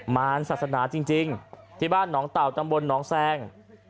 มานศาสนาจริงที่บ้านนตาวจำบลนแซง